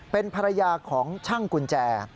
เป็นภรรยาของช่างกุญแจ